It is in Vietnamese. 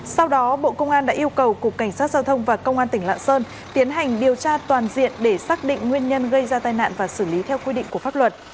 sau đó bộ công an đã yêu cầu cục cảnh sát giao thông và công an tỉnh lạng sơn tiến hành điều tra toàn diện để xác định nguyên nhân gây ra tai nạn và xử lý theo quy định của pháp luật